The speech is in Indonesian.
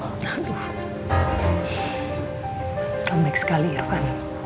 selamat sekali irwan